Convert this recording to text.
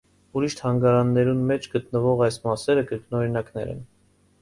Ուրիշ թանգարաններուն մէջ գտնուող այս մասերը կրկնօրինակներ են։